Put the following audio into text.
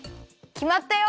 きまったよ。